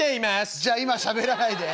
「じゃあ今しゃべらないで。